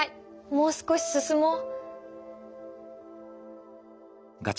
もう少し進もう。